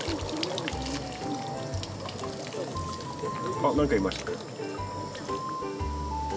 あっ何かいました。